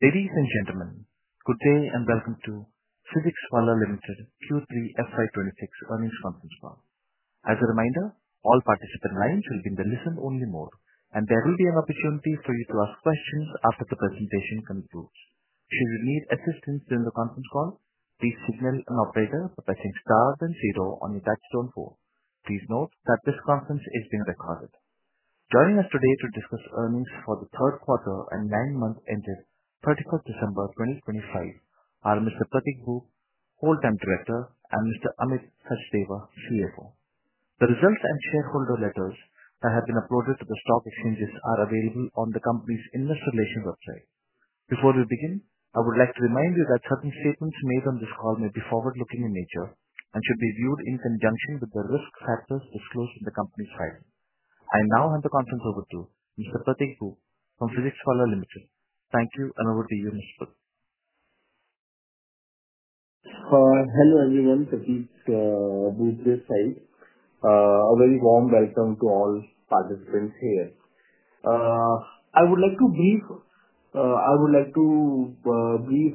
Ladies and gentlemen, good day, welcome PhysicsWallah Limited q3 FY 2026 earnings conference call. As a reminder, all participant lines will be in the listen-only mode, and there will be an opportunity for you to ask questions after the presentation concludes. If you need assistance during the conference call, please signal an operator by pressing star then zero on your touchtone phone. Please note that this conference is being recorded. Joining us today to discuss earnings for the third quarter and nine months ended 31st December, 2025, are Mr. Prateek Maheshwari, Full-Time Director, and Mr. Amit Sachdeva, CFO. The results and shareholder letters that have been uploaded to the stock exchanges are available on the company's investor relations website. Before we begin, I would like to remind you that certain statements made on this call may be forward-looking in nature, should be viewed in conjunction with the risk factors disclosed in the company's filing. I now hand the conference over to Mr. Prateek Maheshwari PhysicsWallah Limited. thank you, over to you, Mr. Prateek. Hello, everyone. Prateek Maheshwari this side. A very warm welcome to all participants here. I would like to give a brief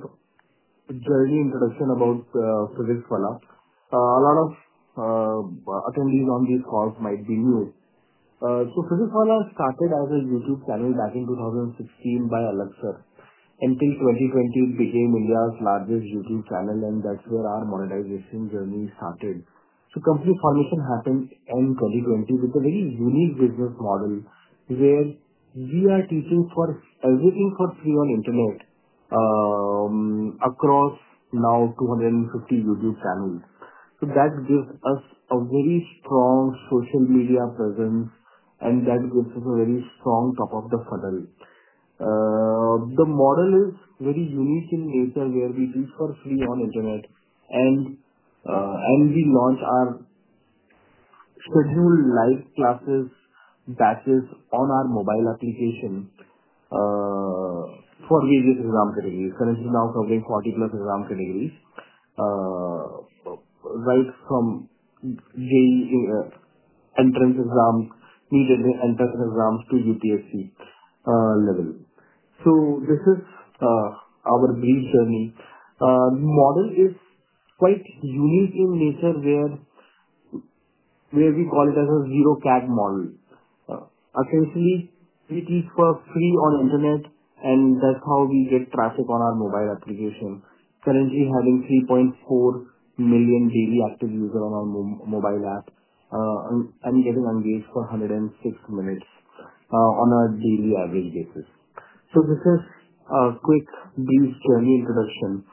introduction about Physics Wallah. A lot of attendees on this call might be new. Physics Wallah started as a YouTube channel back in 2016 by Alakh Pandey, and in 2020, became India's largest YouTube channel, and that's where our monetization journey started. Company formation happened in 2020, with a very unique business model, where we are teaching for everything for free on internet, across now 250 YouTube channels. That gives us a very strong social media presence, and that gives us a very strong top of the funnel. The model is very unique in nature, where we teach for free on internet and we launch our scheduled live classes, batches on our mobile application for various exams and degrees. Currently now covering 40+ exam and degrees, right from JEE entrance exams, NEET entrance exams to UPSC level. This is our brief journey. Model is quite unique in nature, where we call it as a Zero CAPEX model. Essentially, we teach for free on internet, and that's how we get traffic on our mobile application. Currently, having 3.4 million daily active users on our mobile app and getting engaged for 106 minutes on a daily average basis. This is a quick, brief journey introduction.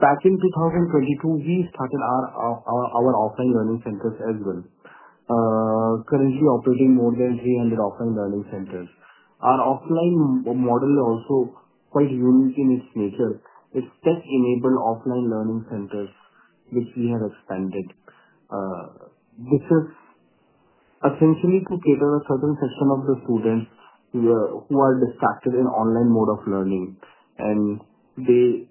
Back in 2022, we started our offline learning centers as well. Currently operating more than 300 offline learning centers. Our offline model is also quite unique in its nature. It's tech-enabled offline learning centers, which we have expanded. This is essentially to cater a certain section of the students who are distracted in online mode of learning, and they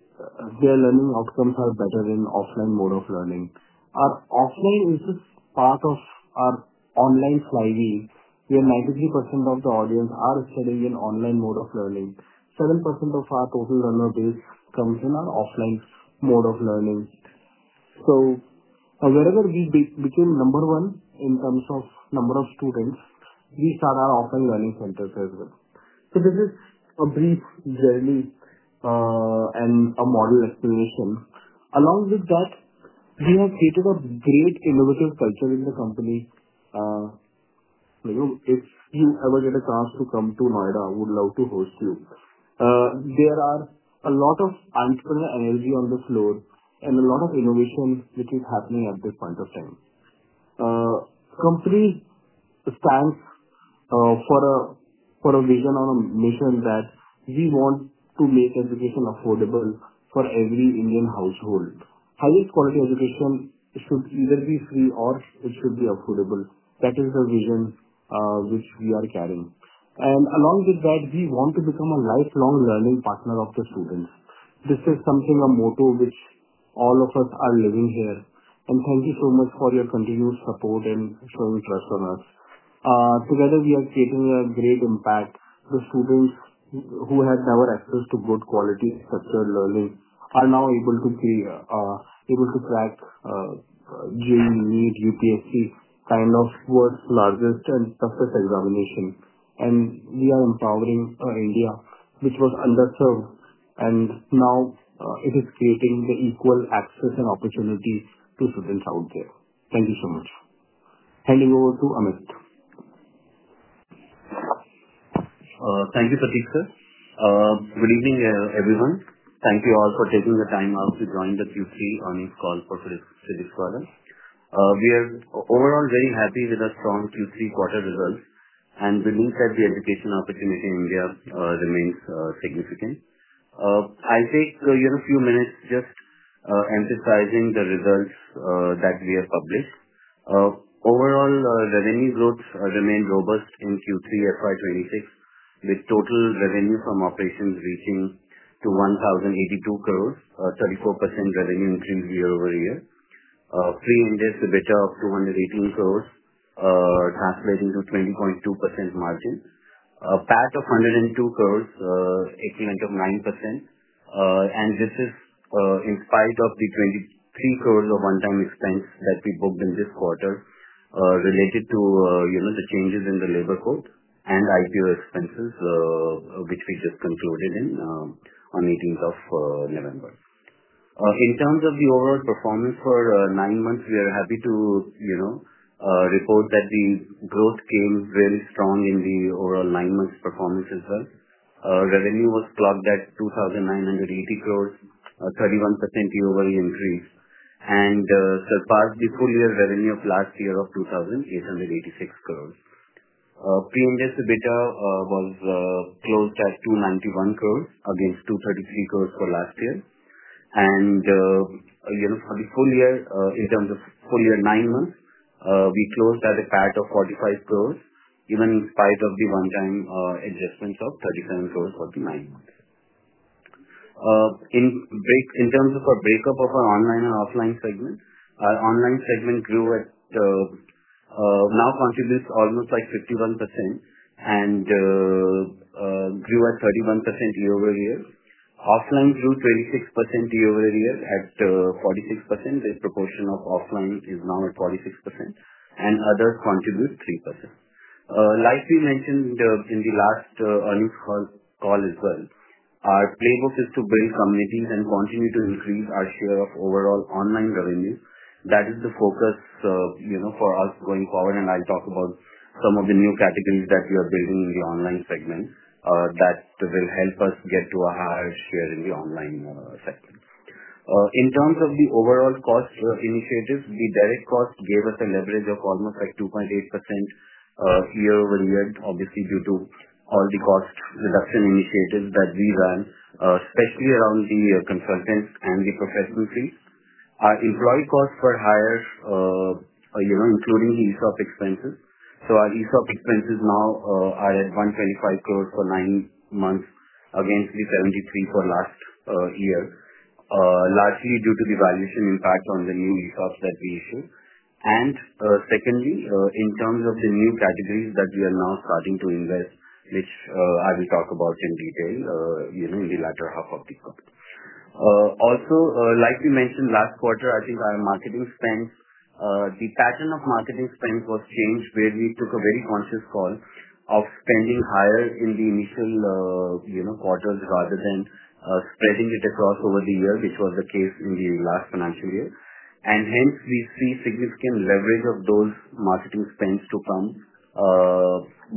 their learning outcomes are better in offline mode of learning. Our offline is just part of our online strategy, where 93% of the audience are studying in online mode of learning. 7% of our total learner base comes in our offline mode of learning. Wherever we became number one in terms of number of students, we start our offline learning centers as well. This is a brief journey and a model explanation. Along with that, we have created a great innovative culture in the company. You know, if you ever get a chance to come to Noida, we would love to host you. There are a lot of entrepreneur energy on the floor and a lot of innovations which is happening at this point of time. Company stands for a vision and a mission that we want to make education affordable for every Indian household. Highest quality education, it should either be free or it should be affordable. That is the vision which we are carrying. Along with that, we want to become a lifelong learning partner of the students. This is something, a motto which all of us are living here, and thank you so much for your continued support and showing trust on us. Together, we are creating a great impact. The students who had never access to good quality structural learning, are now able to pay, able to track, JEE, NEET, UPSC, kind of world's largest and toughest examination. We are empowering India, which was underserved, and now, it is creating the equal access and opportunities to students out there. Thank you so much. Handing over to Amit. Thank you, Prateek, sir. Good evening, everyone. Thank you all for taking the time out to join the Q3 earnings call for Physics Wallah. We are overall very happy with the strong Q3 quarter results. We believe that the education opportunity in India remains significant. I'll take here a few minutes just emphasizing the results that we have published. Overall, revenue growth remained robust in Q3 FY 2026, with total revenue from operations reaching 1,082 crores, 34% revenue increase year-over-year. Pre-interest EBITDA of 218 crores, translating to 20.2% margin. PAT of 102 crores, equivalent of 9%. This is in spite of the 23 crore of one-time expense that we booked in this quarter, related to, you know, the changes in the labor code and IPO expenses, which we just concluded on 18th of November. In terms of the overall performance for nine months, we are happy to, you know, report that the growth came very strong in the overall nine months performance as well. Revenue was clocked at 2,980 crore, 31% year-over-year increase, surpassed the full year revenue of last year of 2,886 crore. Pre-interest EBITDA was closed at 291 crore against 233 crore for last year. You know, for the full year, in terms of full year, nine months, we closed at a PAT of 45 crores, even in spite of the one-time adjustments of 37 crores for the nine months. In terms of a breakup of our online and offline segment, our online segment grew at, now contributes almost like 51% and grew at 31% year-over-year. Offline grew 26% year-over-year at 46%. The proportion of offline is now at 46%, and other contributes 3%. Like we mentioned, in the last earnings call as well, our playbook is to build communities and continue to increase our share of overall online revenue. That is the focus, you know, for us going forward, and I'll talk about some of the new categories that we are building in the online segment that will help us get to a higher share in the online segment. In terms of the overall cost initiatives, the direct cost gave us a leverage of almost like 2.8% year-over-year, obviously, due to all the cost reduction initiatives that we ran, especially around the consultants and the professional fees. Our employee costs were higher, you know, including ESOP expenses. Our ESOP expenses now are at 125 crores for nine months, against the 73 for last year, largely due to the valuation impact on the new ESOPs that we issued. Secondly, in terms of the new categories that we are now starting to invest, which I will talk about in detail, you know, in the latter half of the call. Also, like we mentioned last quarter, I think our marketing spends, the pattern of marketing spends was changed, where we took a very conscious call of spending higher in the initial, you know, quarters, rather than spreading it across over the year, which was the case in the last financial year. Hence, we see significant leverage of those marketing spends to come,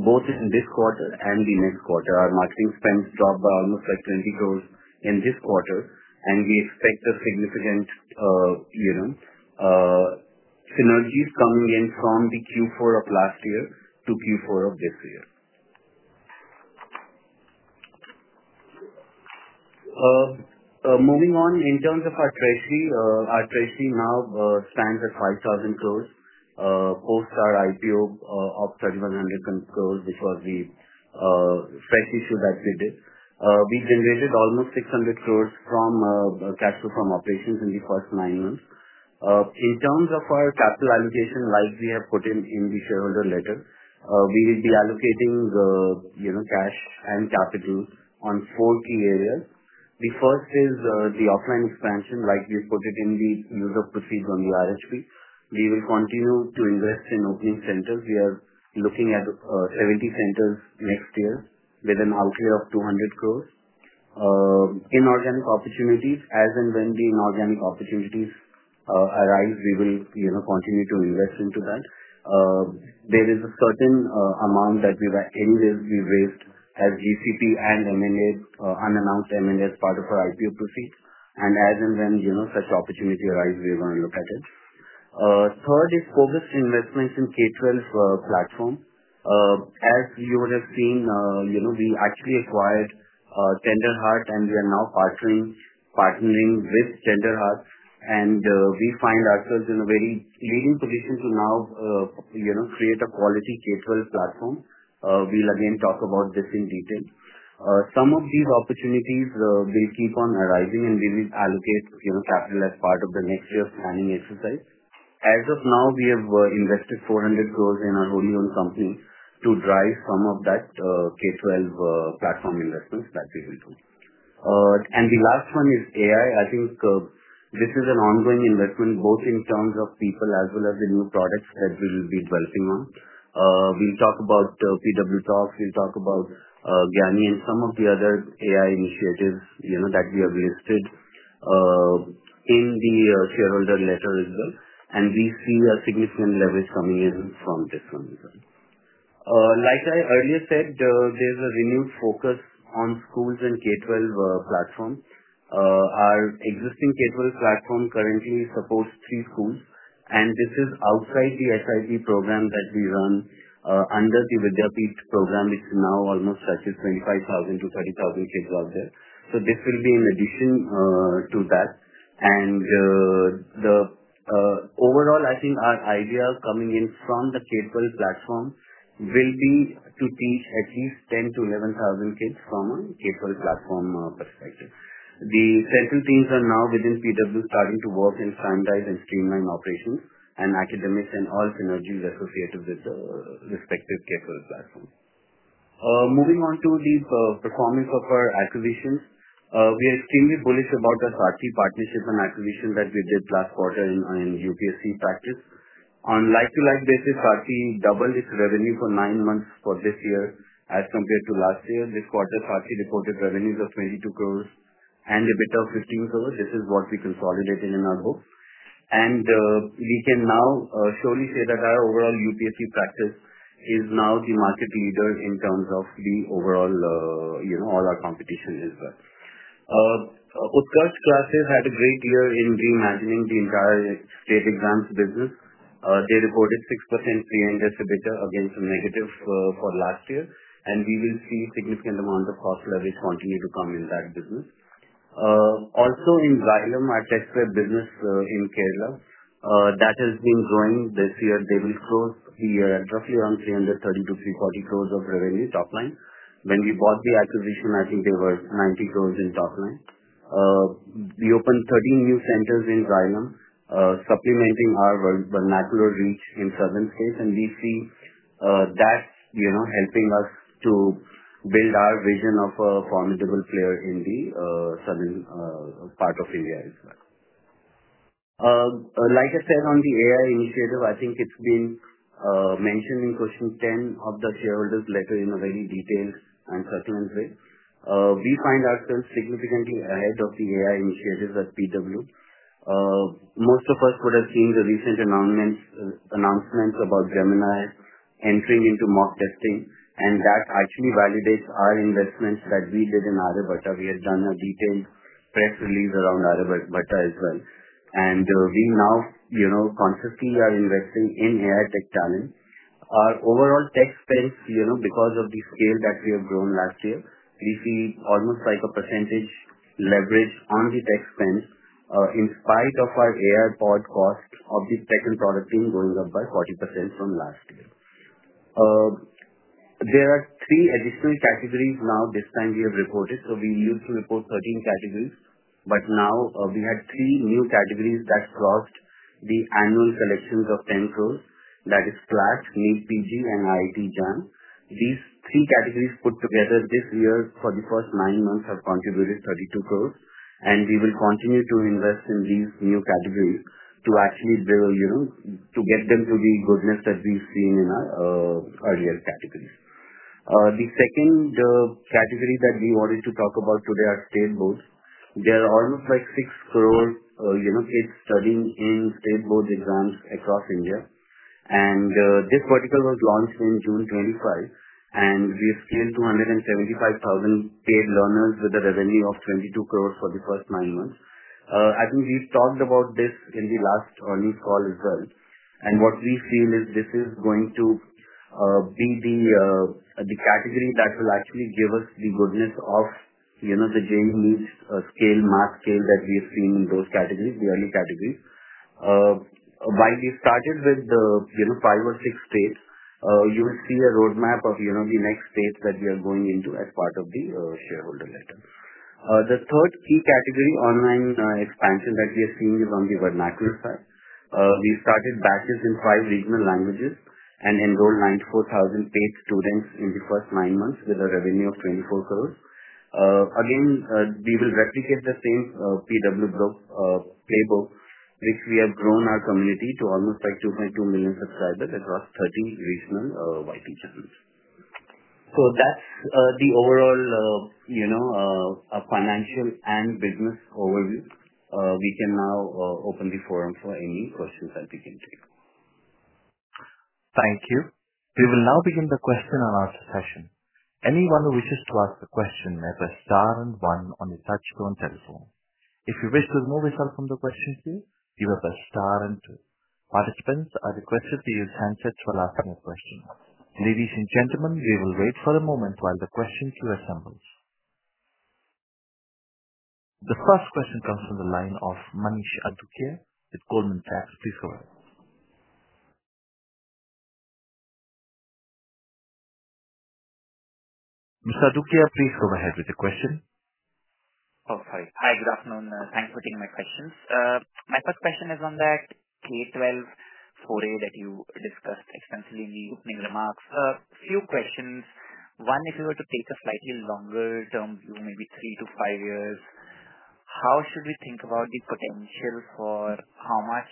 both in this quarter and the next quarter. Our marketing spends dropped by almost like 20 crores in this quarter, and we expect a significant, you know, synergies coming in from the Q4 of last year to Q4 of this year. Moving on, in terms of our treasury, our treasury now stands at 5,000 crores, post our IPO of 3,100 crores, which was the fresh issue that we did. We generated almost 600 crores from cash flow from operations in the first nine months. In terms of our capital allocation, like we have put in, in the shareholder letter, we will be allocating, you know, cash and capital on four key areas. The first is the offline expansion, like we put it in the use of proceeds on the RTP. We will continue to invest in opening centers. We are looking at 70 centers next year with an outlay of 200 crores. Inorganic opportunities, as and when the inorganic opportunities arise, we will, you know, continue to invest into that. There is a certain amount that we were in this, we raised as GCP and M&A, unannounced M&A as part of our IPO proceeds. As and when, you know, such opportunity arise, we're gonna look at it. Third is focused investments in K-12 platform. As you would have seen, you know, we actually acquired Tender Heart, we are now partnering with Tender Heart, we find ourselves in a very leading position to now, you know, create a quality K-12 platform. We'll again talk about this in detail. Some of these opportunities will keep on arising, we will allocate, you know, capital as part of the next year's planning exercise. As of now, we have invested 400 crores in our own company to drive some of that K-12 platform investments that we will do. The last one is AI. I think, this is an ongoing investment, both in terms of people as well as the new products that we will be working on. We'll talk about PW Talks, we'll talk about Gyani and some of the other AI initiatives, you know, that we have listed in the shareholder letter as well, and we see a significant leverage coming in from this one as well. Like I earlier said, there's a renewed focus on schools and K-12 platforms. Our existing K-12 platform currently supports 3 schools, and this is outside the SIP program that we run. Under the Vidyapeeth program, it's now almost touches 25,000-30,000 kids out there. This will be in addition to that. Overall, I think our idea coming in from the K-12 platform will be to teach at least 10,000-11,000 kids from a K-12 platform perspective. The central teams are now within PW, starting to work and sanitize and streamline operations and academics and all synergies associated with the respective K-12 platform. Moving on to the performance of our acquisitions. We are extremely bullish about the Sarthi partnership and acquisition that we did last quarter in UPSC practice. On like-to-like basis, Sarthi doubled its revenue for nine months for this year as compared to last year. This quarter, Sarthi reported revenues of 22 crores and a bit of 15 crores. This is what we consolidated in our books. We can now surely say that our overall UPSC practice is now the market leader in terms of the overall, you know, all our competitions as well. Utkarsh Classes had a great year in reimagining the entire state exams business. They reported 6% free and distributor against a negative for last year, and we will see significant amounts of cross-leverage continue to come in that business. Also in Xylem, our tech square business in Kerala that has been growing. This year, they will close the year roughly around 330-340 crores of revenue top line. When we bought the acquisition, I think they were 90 crores in top line. We opened 13 new centers in Xylem, supplementing our vernacular reach in southern states, and we see, you know, helping us to build our vision of a formidable player in the southern part of India as well. Like I said, on the AI initiative, I think it's been mentioned in question 10 of the shareholders letter in a very detailed and certain way. We find ourselves significantly ahead of the AI initiatives at PW. Most of us would have seen the recent announcement about Gemini entering into mock testing, and that actually validates our investments that we did in Aryabhata. We have done a detailed press release around Aryabhata as well. We now, you know, consciously are investing in AI tech talent. Our overall tech spend, you know, because of the scale that we have grown last year, we see almost like a percentage leverage on the tech spend, in spite of our AI pod cost of the second product team going up by 40% from last year. There are three additional categories now this time we have reported. We used to report 13 categories, but now, we have three new categories that crossed the annual selections of 10 crores. That is Class, JEE Main & PG and IIT JAM. These three categories put together this year for the first nine months, have contributed 32 crores, and we will continue to invest in these new categories to actually build, you know, to get them to the goodness that we've seen in our earlier categories. The second category that we wanted to talk about today are state boards. There are almost like 6 crores, you know, kids studying in state board exams across India. This vertical was launched in June 2025, and we have scaled to 175,000 paid learners with a revenue of 22 crores for the first nine months. I think we've talked about this in the last earnings call as well. What we feel is this is going to be the category that will actually give us the goodness of, you know, the JEE Main scale, math scale that we have seen in those categories, the early categories. While we started with the, you know, five or six states, you will see a roadmap of, you know, the next states that we are going into as part of the shareholder letter. The third key category online expansion that we are seeing is on the vernacular side. We started batches in five regional languages and enrolled 94,000 paid students in the first nine months with a revenue of 24 crores. Again, we will replicate the same PW book playbook, which we have grown our community to almost like 2.2 million subscribers across 13 regional YT channels. That's the overall, you know, financial and business overview. We can now open the forum for any questions that you can take. Thank you. We will now begin the question-and-answer session. Anyone who wishes to ask a question may press star one on your touchtone telephone. If you wish to remove yourself from the question queue, you will press star two. Participants, I request that you use handset for asking a question. Ladies and gentlemen, we will wait for a moment while the question queue assembles. The first question comes from the line of Manish Adukia with Goldman Sachs. Please go ahead. Manish Adukia, please go ahead with the question. Oh, sorry. Hi, good afternoon. Thanks for taking my questions. My first question is on that K-12 foray that you discussed extensively in the opening remarks. Few questions. One, if you were to take a slightly longer term view, maybe 3-5 years, how should we think about the potential for how much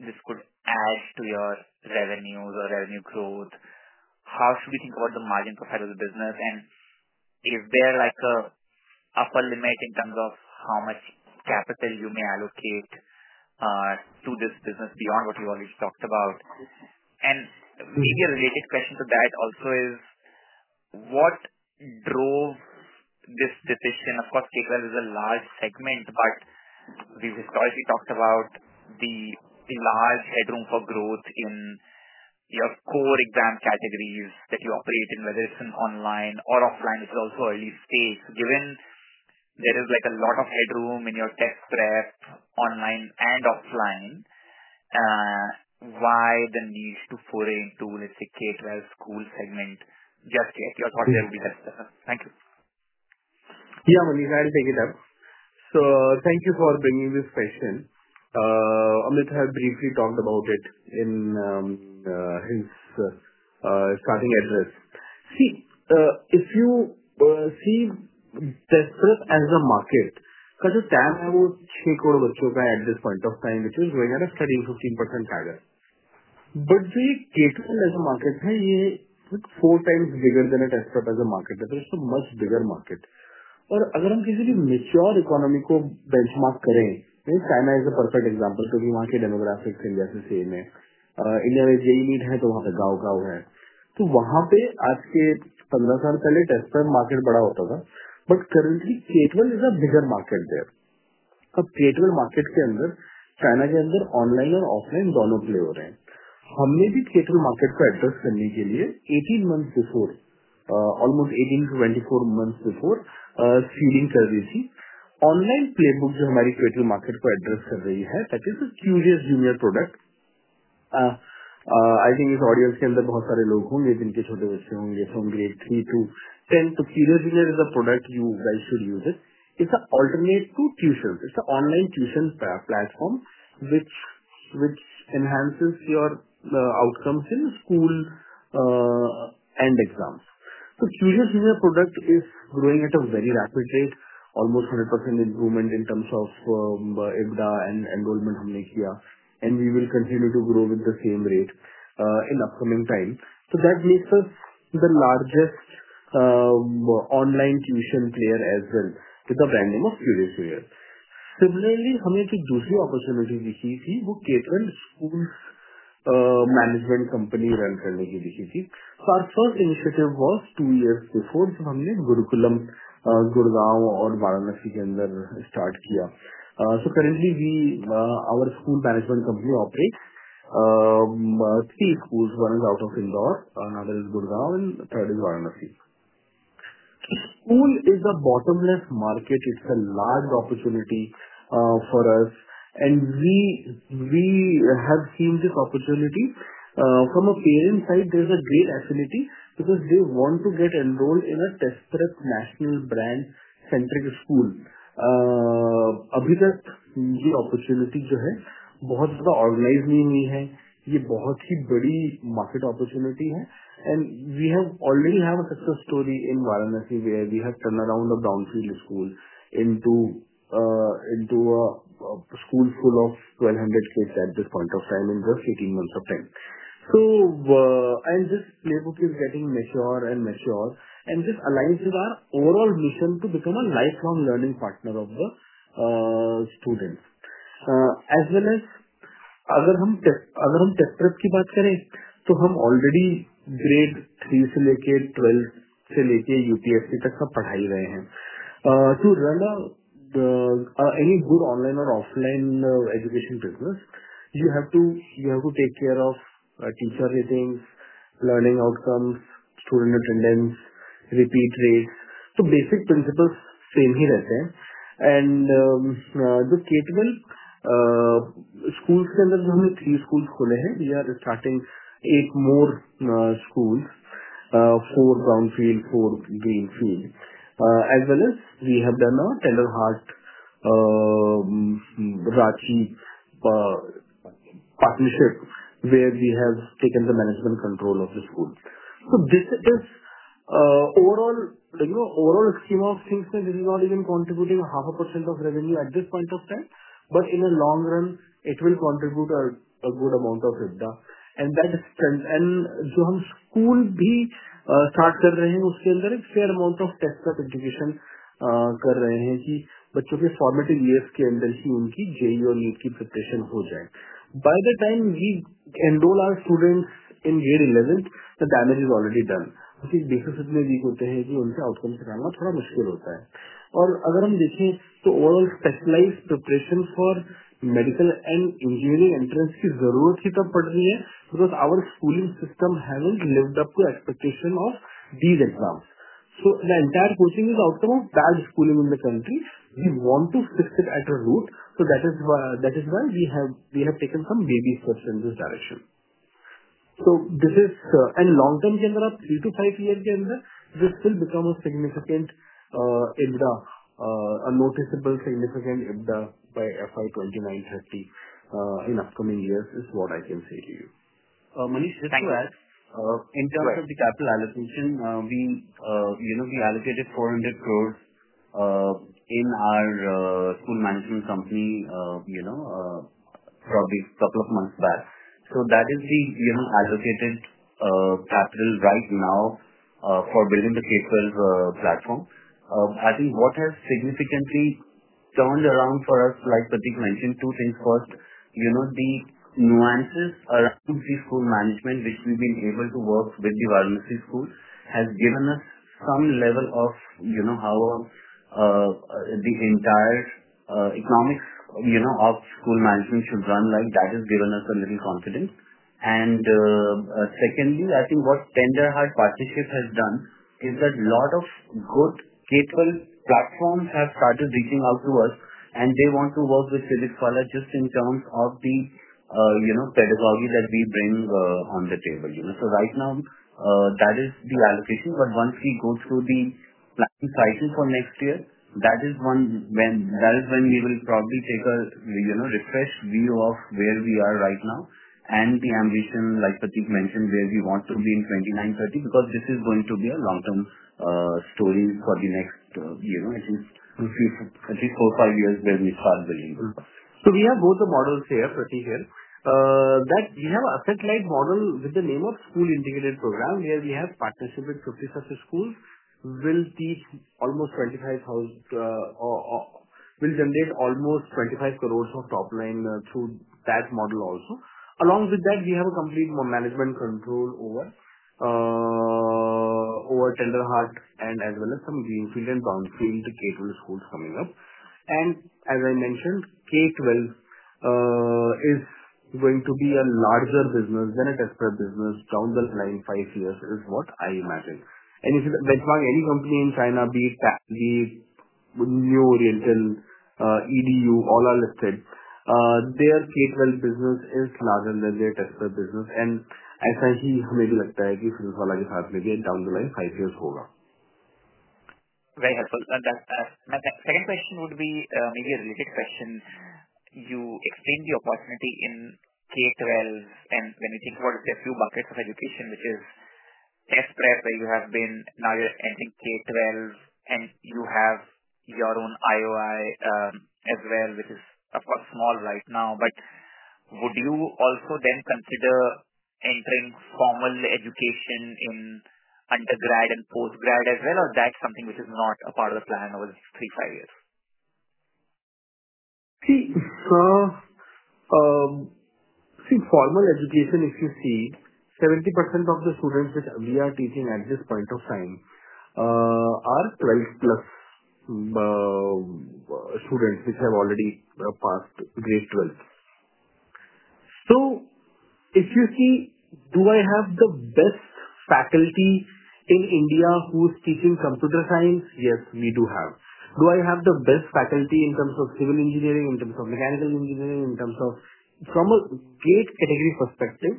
this could add to your revenues or revenue growth? How should we think about the margin profile of the business? Is there like a upper limit in terms of how much capital you may allocate to this business beyond what you already talked about? Maybe a related question to that also is, what drove this decision? K-12 is a large segment, but we've historically talked about the large headroom for growth in your core exam categories that you operate in, whether it's in online or offline, it's also early stage. Given there is, like, a lot of headroom in your test prep, online and offline, why the need to foray into, let's say, K-12 school segment, just get your thoughts on this? Thank you. Yeah, Manish, I'll take it up. Thank you for bringing this question. Amit has briefly talked about it in his starting address. See, if you see Test Prep as a market, because there are about INR 6 crore students at this point of time, which is growing at a 13%-15% target. We K-12 as a market, na, it's four times bigger than a Test Prep as a market. It's a much bigger market. If we benchmark against a mature economy, then China is a perfect example, because their demographics are same as ours. If India is JEE Main, then they have the Gaokao. There, 15 years ago, Test Prep market was big, but currently, K-12 is a bigger market there. In the K-12 market, in China, both online and offline players are there. We also, to address the K-12 market, 18 months before, almost 18-24 months before, were doing streaming. The online playbook, which is addressing our K-12 market, that is a Curious Junior product. I think in this audience, there will be many people who have small children, who are from grade 3 to 10, Curious Junior is a product you guys should use it. It's a alternate to tuition. It's a online tuition platform, which enhances your outcomes in school end exams. Curious Junior product is growing at a very rapid rate, almost 100% improvement in terms of EBITDA and enrollment we have done, and we will continue to grow with the same rate in upcoming time. That makes us the largest online tuition player as well, with the brand name of Curious Junior. Similarly, we had seen another opportunity, which was to run a K12 schools management company. Our first initiative was two years before, when we started in Gurukulam, Gurgaon and Varanasi. Currently we, our school management company operates three schools. One is out of Indore, another is Gurgaon, third is Varanasi. School is a bottomless market. It's a large opportunity for us, and we have seen this opportunity. From a parent side, there's a great affinity because they want to get enrolled in a Test Prep national brand-centric school. Until now, the opportunity which is there, is not very organized. This is a very big market opportunity, and we have already have a success story in Varanasi, where we have turned around a brownfield school into a school full of 1,200 kids at this point of time, in just 18 months of time. This playbook is getting mature and mature, and this aligns with our overall mission to become a lifelong learning partner of the students. As well as, if we talk about Test Prep, we are already providing grades 3-12, up to UPSC. To run any good online or offline education business, you have to take care of teacher ratings, learning outcomes, student attendance, repeat rates. Basic principles remain the same. The K-12 schools, we have opened three schools. We are starting eight more schools, four brownfield, four greenfield, as well as we have done a Tender Heart, Ranchi, partnership, where we have taken the management control of the school. This is overall, you know, overall scheme of things, this is not even contributing half a percent of revenue at this point of time, but in the long run, it will contribute a good amount of EBITDA. The schools we are also starting, we are doing a fair amount of Test Prep education in them, so that the children's formative years, their JEE and NEET preparation is done. By the time we enroll our students in grade 11, the damage is already done. Some deficits are so deep that it becomes quite difficult to bring out their outcomes. If we look at the overall specialized preparation for medical and engineering entrance, there is a need for it because our schooling system haven't lived up to expectation of these exams. The entire coaching is also a bad schooling in the country. We want to fix it at a root, that is why we have taken some baby steps in this direction. This is. Long term, within 3-5 years, this will become a significant EBITDA, a noticeable, significant EBITDA by FY 2029, 2030, in upcoming years, is what I can say to you. Manish, just to add. Right. in terms of the capital allocation, we, you know, we allocated 400 crores in our school management company, you know, probably a couple of months back. That is the, you know, allocated capital right now for building the K-12 platform. I think what has significantly turned around for us, like Prateek mentioned two things: First, you know, the nuances around the school management, which we've been able to work with the Varanasi school, has given us some level of, you know, how the entire economics, you know, of school management should run, like, that has given us a little confidence. Secondly, I think what Tender Heart partnership has done, is that lot of good K-12 platforms have started reaching out to us, and they want to work with Physics Wallah just in terms of the, you know, pedagogy that we bring on the table, you know. Right now, that is the allocation, but once we go through the planning cycle for next year, that is when we will probably take a, you know, refresh view of where we are right now, and the ambition, like Prateek mentioned, where we want to be in 2029, 2030, because this is going to be a long-term story for the next, you know, at least. in few, at least 4, 5 years, when we start delivering. We have both the models here, Pratik, here. That we have a asset-like model with the name of School Integrated Programme, where we have partnered with 50 such schools. We'll teach almost 25,000, or will generate almost 25 crores of top line through that model also. Along with that, we have a complete management control over Tender Heart and as well as some greenfield and brownfield K-12 schools coming up. As I mentioned, K-12 is going to be a larger business than a test prep business down the line five years, is what I imagine. If you benchmark any company in China, be it New Oriental, EDU, all are listed, their K-12 business is larger than their test prep business. As I see, down the line five years forward. Very helpful. My second question would be, maybe a related question. You explained the opportunity in K-12, and when you think about a few markets of education, which is test prep, where you have been, now you're entering K-12, and you have your own IOI as well, which is of course small right now. Would you also then consider entering formal education in undergrad and postgrad as well? Or that's something which is not a part of the plan over the next three, five years? See, formal education, if you see, 70% of the students that we are teaching at this point of time, are twice plus students, which have already passed grade 12. If you see, do I have the best faculty in India who is teaching computer science? Yes, we do have. Do I have the best faculty in terms of civil engineering, in terms of mechanical engineering? From a GATE category perspective,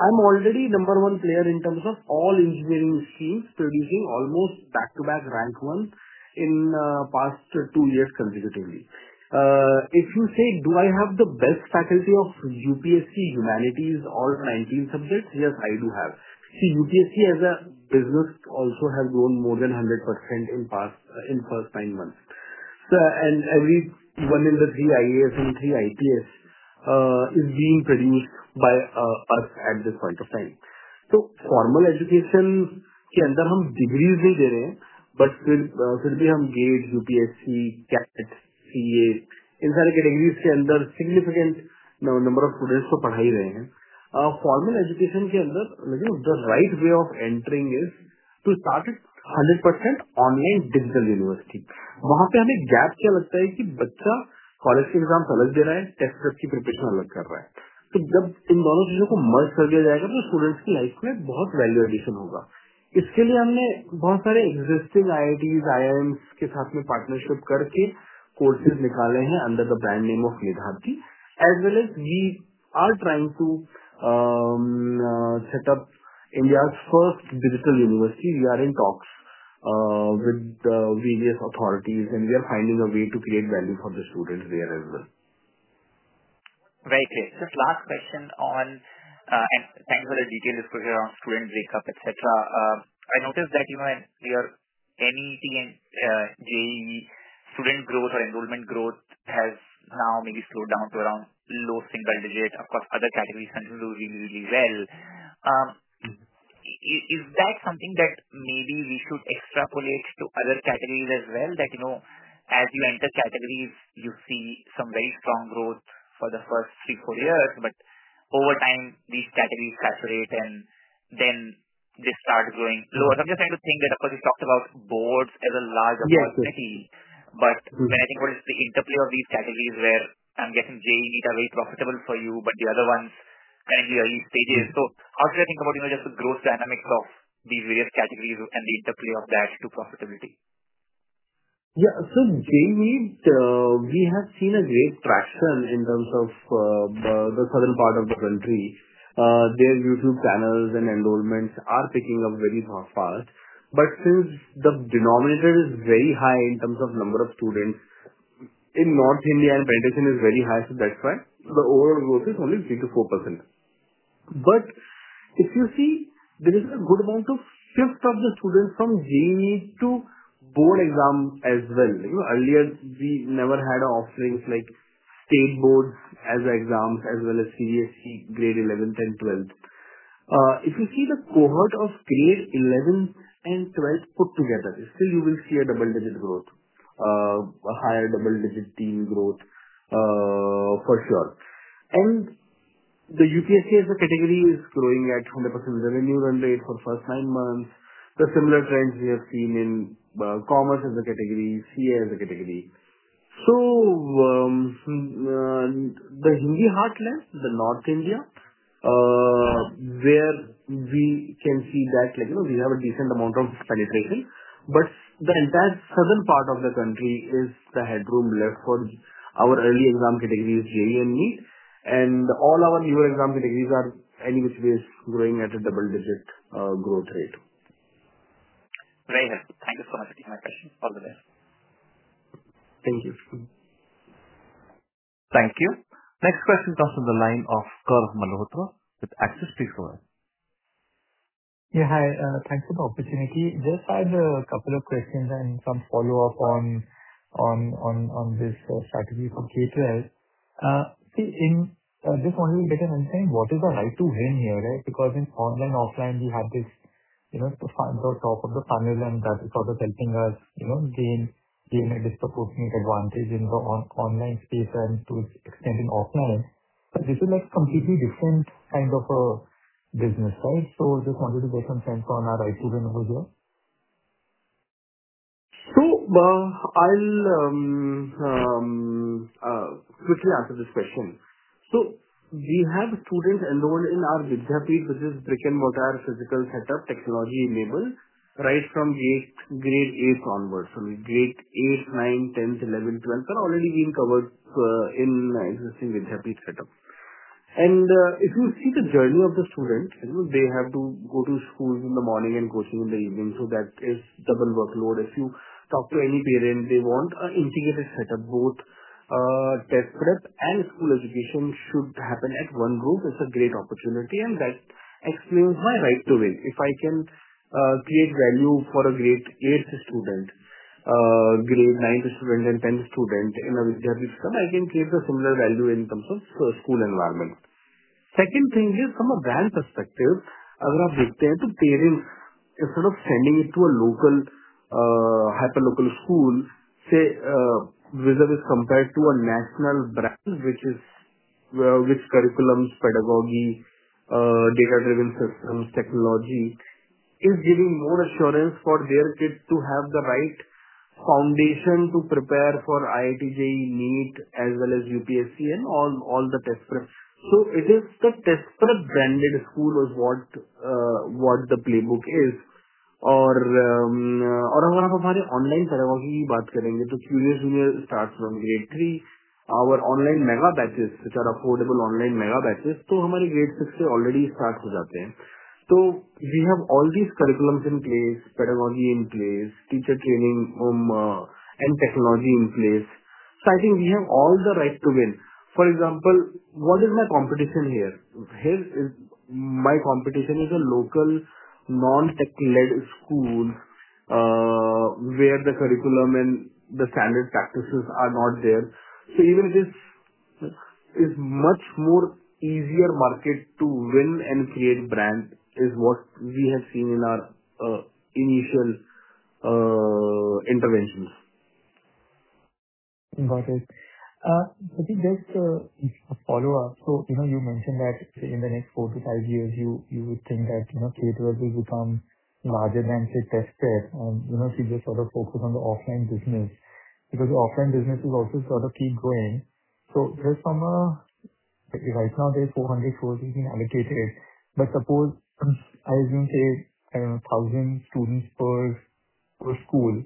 I'm already number 1 player in terms of all engineering schemes, producing almost back-to-back rank ones in past two years consecutively. If you say, do I have the best faculty of UPSC Humanities, all 19 subjects? Yes, I do have. UPSC as a business also has grown more than 100% in first nine months. Every one in the three IAS and three IPS is being produced by us at this point of time. Formal education, but still, still we have GATE, UPSC, CAT, CA, inside the degrees, significant number of students who are studying. Formal education, the right way of entering is to start it 100% online digital university. gap college exams, test preparation. When these three things are merged, it will add a lot of value to the students' lives. existing IITs, IIMs partnership courses under the brand name of Vedanti. As well as we are trying to set up India's 1st digital university. We are in talks with various authorities, and we are finding a way to create value for the students there as well. Very clear. Just last question on, thanks for the details you put here on student breakup, et cetera. I noticed that even your NEET and JEE student growth or enrollment growth has now maybe slowed down to around low single digits. Of course, other categories continue to do really, really well. Is that something that maybe we should extrapolate to other categories as well? That, you know, as you enter categories, you see some very strong growth for the first 3, 4 years, over time, these categories saturate, and then they start growing slower. I'm just trying to think that, of course, you talked about boards as a larger opportunity- Yes. -but When I think about the interplay of these categories, where I'm guessing JEE are very profitable for you, but the other ones are in the early stages. How should I think about, you know, just the growth dynamics of these various categories and the interplay of that to profitability? JEE, we have seen a great traction in terms of the southern part of the country. Their YouTube channels and enrollments are picking up very fast, since the denominator is very high in terms of number of students in North India, penetration is very high, that's why the overall growth is only 3%-4%. If you see, there is a good amount of shift of the students from JEE to board exams as well. You know, earlier we never had offerings like state boards as exams, as well as CBSE grade 11, 10, 12. If you see the cohort of grade 11 and 12 put together, still you will see a double-digit growth, a higher double-digit teen growth, for sure. The UPSC as a category is growing at 100% revenue run rate for first nine months. The similar trends we have seen in commerce as a category, CA as a category. The Hindi heartland, the North India, where we can see that, like, you know, we have a decent amount of penetration, but the entire southern part of the country is the headroom left for our early exam categories, JEE and NEET. All our new exam categories are, anyways, growing at a double digit growth rate. Very helpful. Thank you so much for taking my questions. All the best. Thank you. Thank you. Next question comes from the line of Karan Malhotra with Axis Capital. Yeah, hi. Thanks for the opportunity. Just I have a couple of questions and some follow-up on this strategy from K-12. See, in, just wanted to get an understanding, what is the right to win here, right? Because in online, offline, we have this, you know, to find the top of the funnel, and that is sort of helping us, you know, gain a disproportionate advantage in the online space and to extending offline. This is a completely different kind of a business, right? Just wanted to get some sense on our right to win over here. I'll quickly answer this question. We have students enrolled in our Vidyapeeth, which is brick-and-mortar physical setup, technology-enabled, right from grade 8 onwards. Grade 8, 9, 10th, 11th, 12th, are already being covered in existing Vidyapeeth setup. If you see the journey of the students, you know, they have to go to schools in the morning and coaching in the evening, that is double workload. If you talk to any parent, they want integrated setup, both test prep and school education should happen at 1 go. It's a great opportunity, that explains my right to win. If I can create value for a grade 8th student, grade 9th student and 10th student in a Vidyapeeth, I can create a similar value in terms of school environment. Second thing is, from a brand perspective, other than the parents, instead of sending it to a local, hyper local school, say, whether it is compared to a national brand, which is, which curriculums, pedagogy, data-driven technology, is giving more assurance for their kids to have the right foundation to prepare for IIT-JEE, NEET, as well as UPSC, and all the test prep. It is the test prep branded school is what, what the playbook is. Online pedagogy about current to Curious Junior starts from grade three. Our online Mega batches, which are affordable online Mega batches, to our grade six already starts with that. We have all these curriculums in place, pedagogy in place, teacher training, and technology in place. I think we have all the right to win. For example, what is my competition here? My competition is a local non-tech-led school, where the curriculum and the standard practices are not there. Even this is much more easier market to win and create brand, is what we have seen in our initial interventions. Got it. I think there's a follow-up. You know, you mentioned that in the next 4-5 years, you would think that, you know, K-12 will become larger than, say, test prep. You know, just sort of focus on the offline business, because the offline business will also sort of keep growing. There's some. Right now, there's 400 schools being allocated. Suppose, I assume, say, 1,000 students per school,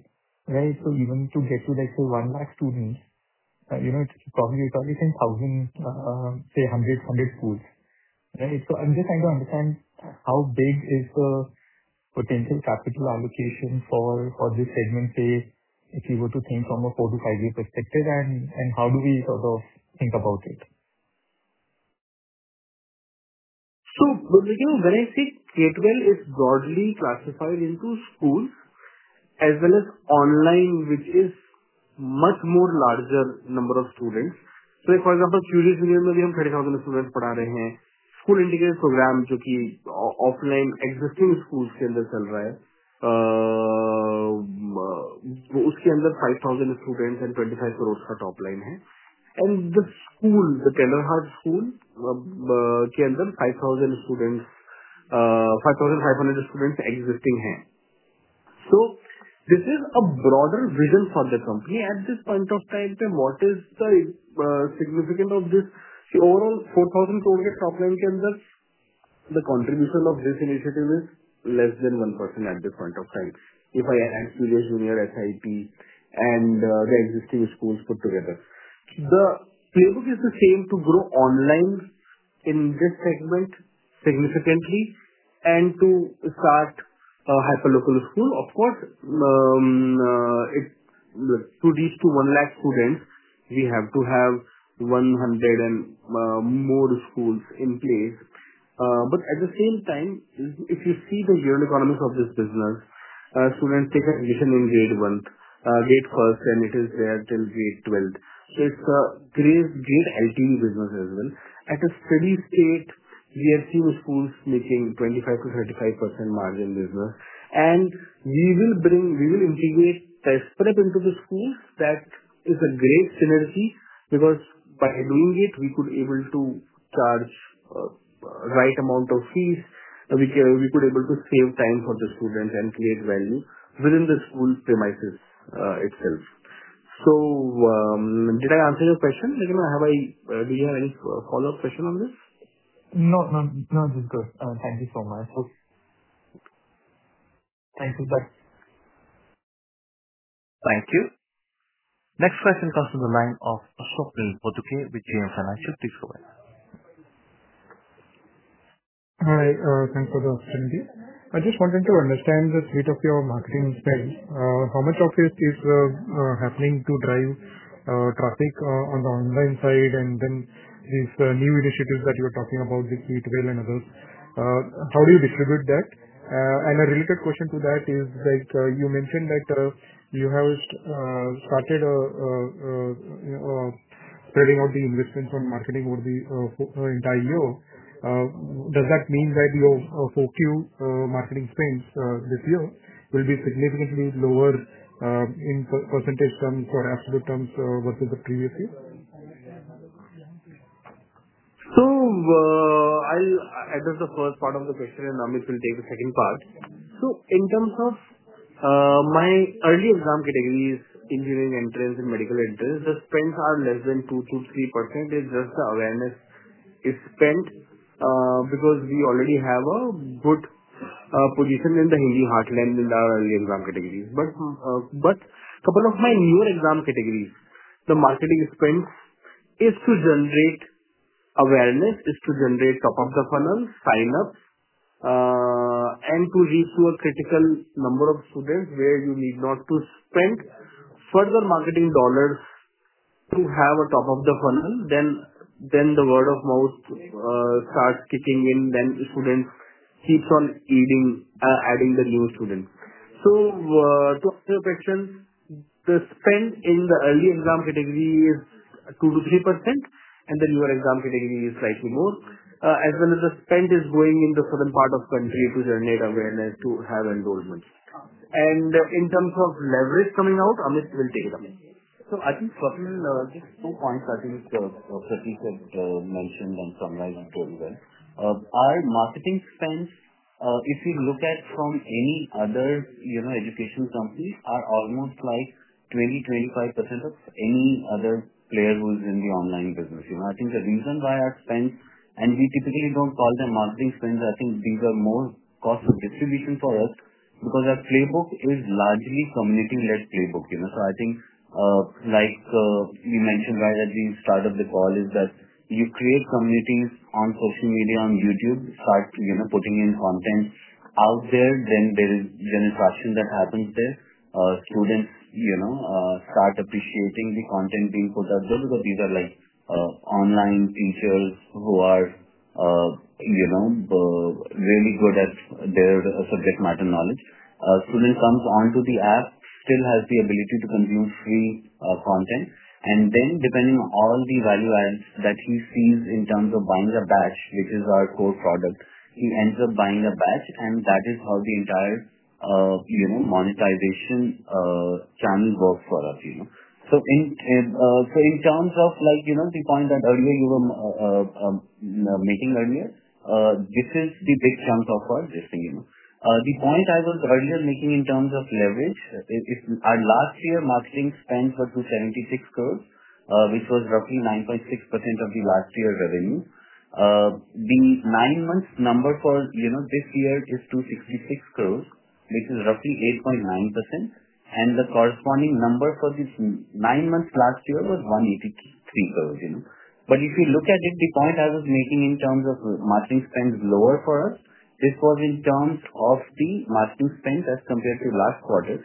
right? Even to get to, like, say, 1 lakh students, you know, it's probably 1,000, say 100 schools, right? I'm just trying to understand how big is the potential capital allocation for this segment, say, if you were to think from a 4-5 years perspective, and how do we sort of think about it? When we think, when I think K-12, it's broadly classified into schools as well as online, which is much more larger number of students. For example, Curious Junior, we have 30,000 students. School Integrated Programme, which is offline, existing schools, 5,000 students and INR 25 crores of top line. The school, the Tender Heart School, 5,500 students existing here. This is a broader vision for the company. At this point of time, what is the significance of this? Overall, INR 4,000 crores of top line, the contribution of this initiative is less than 1% at this point of time, if I add Curious Junior, SIP, and the existing schools put together. The playbook is the same to grow online in this segment significantly, to start a hyper local school. Of course, to reach to 1 lakh students, we have to have 100 and more schools in place. At the same time, if you see the real economics of this business, students take admission in grade 1, grade first, and it is there till grade 12th. It's a grade LTV business as well. At a steady state, we have seen schools making 25%-35% margin business, we will integrate test prep into the schools. That is a great synergy, because by doing it, we could able to charge, right amount of fees, and we could able to save time for the students and create value within the school premises itself. Did I answer your question? Again, do you have any follow-up question on this? No, ma'am. This is good. Thank you so much. Thank you. Bye. Thank you. Next question comes from the line of Ashok Pal with JM Financial. Please go ahead. Hi, thanks for the opportunity. I just wanted to understand the state of your marketing spend. How much of it is happening to drive traffic on the online side, and then these new initiatives that you're talking about, the Teachwell and others, how do you distribute that? A related question to that is, like, you mentioned that you have started spreading out the investment on marketing over the entire year. Does that mean that your for Q marketing spends this year will be significantly lower in percentage terms or absolute terms versus the previous year? I'll address the first part of the question, and Amit will take the second part. In terms of my early exam categories, engineering entrance and medical entrance, the spends are less than 2%-3%. It's just the awareness is spent because we already have a good position in the Hindi heartland in our early exam categories. Couple of my new exam categories, the marketing spend is to generate awareness, is to generate top of the funnel signups and to reach to a critical number of students, where you need not to spend further marketing $ to have a top of the funnel, then the word-of-mouth starts kicking in, then the student keeps on leading, adding the new students. To answer your question, the spend in the early exam category is 2%-3%, and then your exam category is slightly more. As well as the spend is going in the southern part of country to generate awareness, to have enrollment. In terms of leverage coming out, Amit will take it up. I think, first, just two points that Prateek had mentioned and summarized very well. Our marketing spends, if you look at from any other, you know, education company, are almost like 20%-25% of any other player who's in the online business. You know, I think the reason why I spend, and we typically don't call them marketing spends, I think these are more cost of distribution for us, because our playbook is largely community-led playbook, you know? I think, like, you mentioned right at the start of the call, is that you create communities on social media, on YouTube, start, you know, putting in content out there, then there is generation that happens there. Students, you know, start appreciating the content being put up there, because these are like, online teachers who are, you know, really good at their subject matter knowledge. Student comes onto the app, still has the ability to consume free content, and then depending on all the value adds that he sees in terms of buying a batch, which is our core product, he ends up buying a batch, and that is how the entire, you know, monetization, channel works for us, you know. In terms of like, you know, the point that earlier you were making earlier, this is the big chunk of our distancing. The point I was earlier making in terms of leverage, is our last year marketing spends were 276 crores, which was roughly 9.6% of the last year revenue. The nine months number for, you know, this year is 266 crores, which is roughly 8.9%. The corresponding number for this nine months last year was 183 crores, you know? If you look at it, the point I was making in terms of marketing spends lower for us, this was in terms of the marketing spend as compared to last quarter.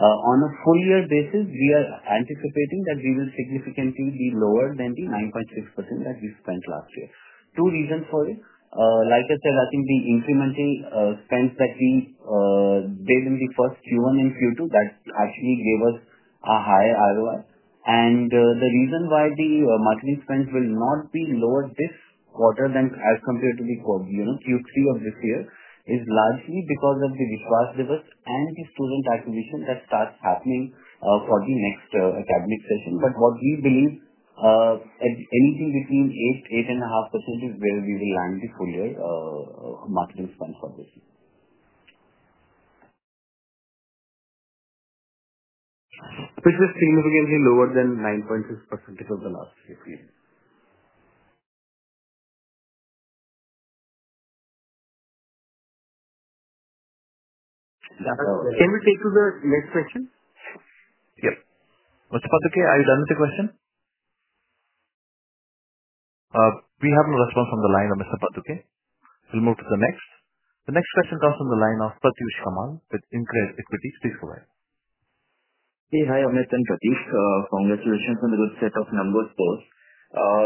On a full year basis, we are anticipating that we will significantly be lower than the 9.6% that we spent last year. Two reasons for it: like I said, I think the incremental spends that we did in the first Q1 and Q2, that actually gave us a high ROI. The reason why the marketing spends will not be lower this quarter than as compared to the quarter, you know, Q3 of this year, is largely because of the refresh business and the student acquisition that starts happening for the next academic session. What we believe, anything between 8.5% is where we will land the full year marketing spend for this year. Which is significantly lower than 9.6% of the last year. Can we take to the next question? Yep. Mr. Patoke, are you done with the question? We have no response from the line of Mr. Patoke. We'll move to the next. The next question comes from the line of Pratyush Kamal with InCred Equity. Please go ahead. Hey. Hi, Amit and Prateek. Congratulations on the good set of numbers first.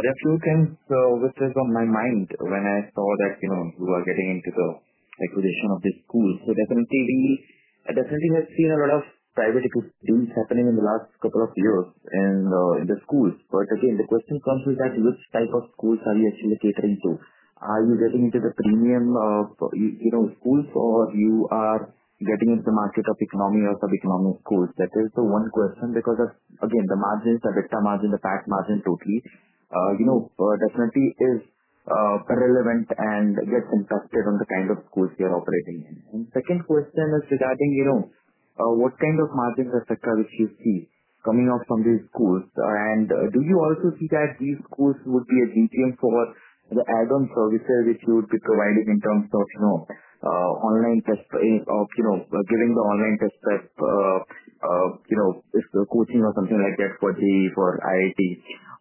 There are two things which was on my mind when I saw that, you know, you are getting into the acquisition of the school. Definitely, we've seen a lot of private equity deals happening in the last couple of years and in the schools. Again, the question comes is that, which type of schools are you actually catering to? Are you getting into the premium, you know, schools, or you are getting into the market of economy or sub-economy schools? That is the 1 question, because again, the margins, the better margin, the PAT margin, totally, you know, definitely is relevant and gets impacted on the kind of schools you are operating in. Second question is regarding, you know, what kind of margins or sector which you see coming out from these schools? Do you also see that these schools would be a gateway for the add-on services which you would be providing in terms of, you know, online test, of, you know, giving the online test prep, you know, if coaching or something like that for the, for IIT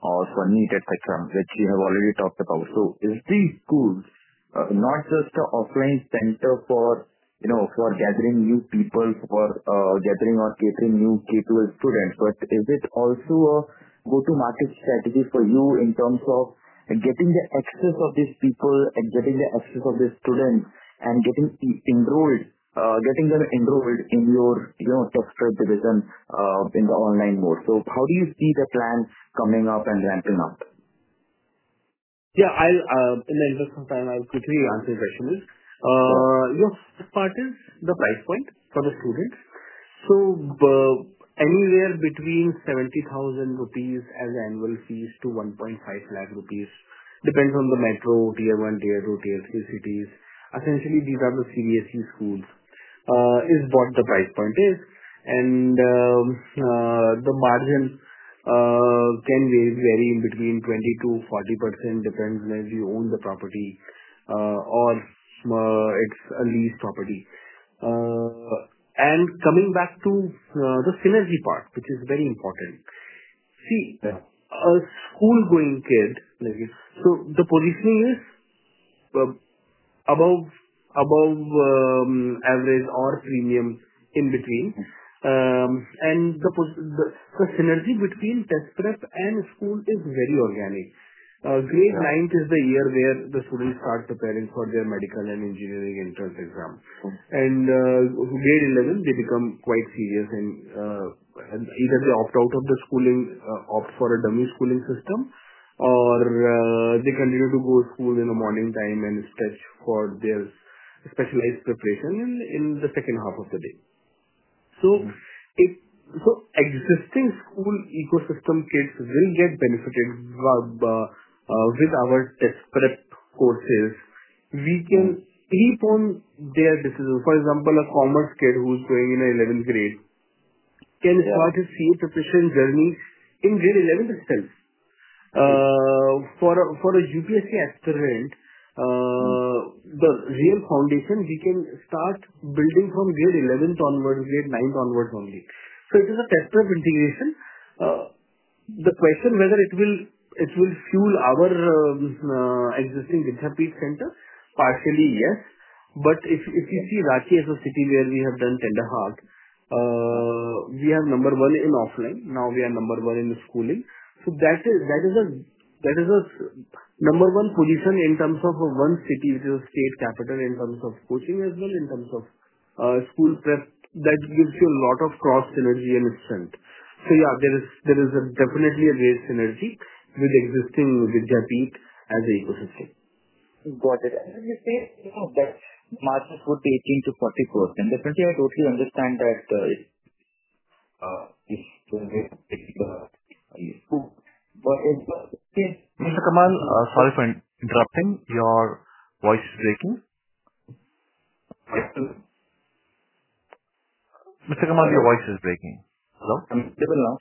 or Sunny, et cetera, which you have already talked about? Is these schools-. Not just the offline center for, you know, for gathering new people, for gathering or getting new K-12 students, but is it also a go-to-market strategy for you in terms of getting the access of these people and getting the access of the students and getting them enrolled in your, you know, test prep division, in the online mode? How do you see the plans coming up and ramping up? I'll, in the interest of time, I'll quickly answer your question. Yes, first is the price point for the students. Anywhere between 70,000 rupees as annual fees to 1.5 lakh rupees, depends on the metro, Tier 1, Tier 2, Tier 3 cities. Essentially, these are the CBSE schools, is what the price point is. The margin can vary in between 20%-40%, depends whether you own the property or it's a lease property. Coming back to the synergy part, which is very important. See, a school-going kid, like, the positioning is above average or premium in between. The synergy between test prep and school is very organic. Yeah. Class 9 is the year where the students start preparing for their medical and engineering entrance exam. Okay. Grade 11, they become quite serious and either they opt out of the schooling, opt for a dummy schooling system, or they continue to go to school in the morning time and stretch for their specialized preparation in the second half of the day. Existing school ecosystem kids will get benefited with our test prep courses. We can leap on their business. For example, a commerce kid who's going in 11th grade. Yeah. start his fee preparation journey in grade 11th itself. For a UPSC aspirant. Mm-hmm. The real foundation we can start building from grade 11th onward, grade 9 onwards only. It is a test prep integration. The question whether it will fuel our existing Vidyapeeth center? Partially, yes. If you see Ranchi as a city where we have done center half, we are number one in offline, now we are number one in the schooling. That is a number one position in terms of one city, it is a state capital in terms of coaching, as well as in terms of school prep. That gives you a lot of cross-synergy and strength. Yeah, there is a definitely a great synergy with existing Vidyapeeth as an ecosystem. Got it. When you say, you know, that margin could be 18%-40%, essentially I totally understand that. Mr. Kamal, sorry for interrupting. Your voice is breaking. Yes, please. Mr. Kamal, your voice is breaking. Hello? I'm still now.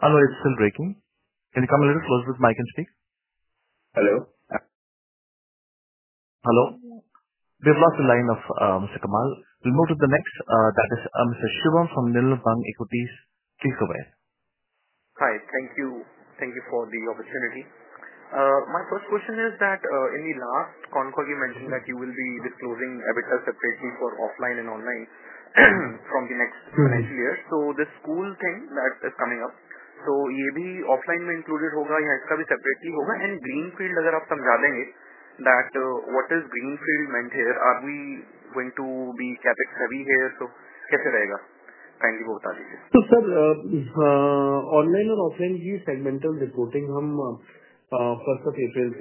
Hello, it's still breaking. Can you come a little closer to the mic and speak? Hello. Hello. We've lost the line of Mr. Kamal. We'll move to the next, that is, Mr. Shivam from Middlebank Equities. Please go ahead. Hi. Thank you. Thank you for the opportunity. My first question is that, in the last conf call, you mentioned that you will be disclosing EBITDA separately for offline and online, from the next- Mm-hmm. -financial year. The school thing that is coming up, so EBITDA offline included. What is greenfield meant here? Are we going to be CapEx heavy here? Sir, online and offline, we segmental reporting, 1st of April,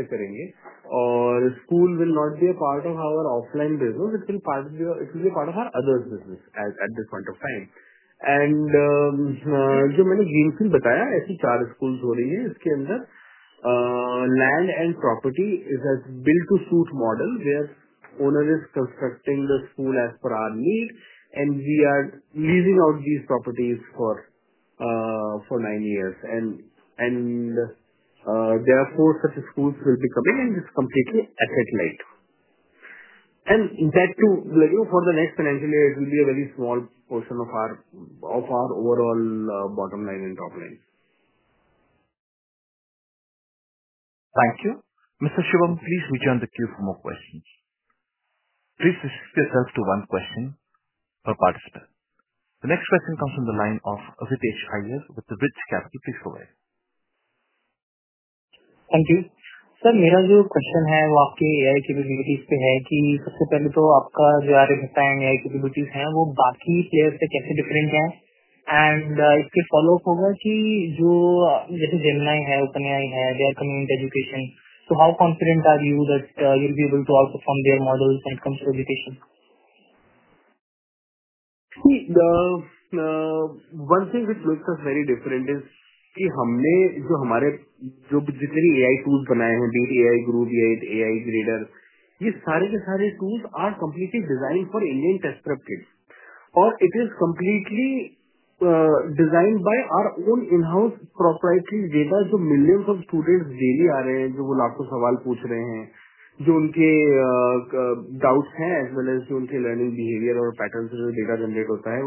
or school will not be a part of our offline business, it will be part of our other business at this point of time. Greenfield school, land and property is a built-to-suit model, where owner is constructing the school as per our need, and we are leasing out these properties for nine years. There are four such schools will be coming, and it's completely asset-light. In fact, like, for the next financial year, it will be a very small portion of our overall bottom line and top line. Thank you. Mr. Shivam, please return the queue for more questions. Please restrict yourself to one question per participant. The next question comes from the line of Avinash Kumar with the Bridge to Capital. Please go ahead. Thank you. Sir, my question is on your AI capabilities. First of all, how is your AI capabilities different from the other players? The follow-up is, there is Gemini, OpenAI, they are coming into education. How confident are you that you'll be able to outperform their models when it comes to education? See, one thing which makes us very different is, the AI tools we have made, Alakh AI, AI Guru, AI Grader, all these tools are completely designed for Indian test prep kids. It is completely designed by our own in-house proprietary data, so millions of students daily are coming and they are asking you questions. का doubt है, as well as उनकी learning behaviour और pattern से जो data generate होता है,